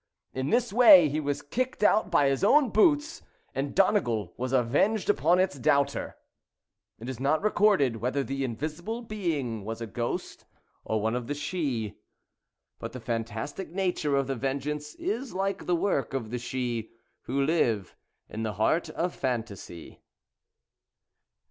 In this way he was kicked out by his own boots, and Donegal was avenged upon its doubter. It is not recorded whether the invisible being was a ghost or one of the Sidhe, but the fantastic nature of the ven geance is like the work of the Sidhe who live in the heart of fantasy.